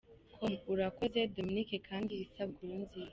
com: Urakoze Dominic kandi isabukuru nziza.